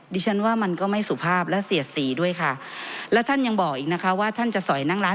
ดิฉันว่ามันก็ไม่สุภาพและเสียดสีด้วยค่ะแล้วท่านยังบอกอีกนะคะว่าท่านจะสอยนั่งร้าน